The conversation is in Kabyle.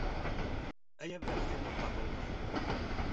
Ay aberkan uqerru!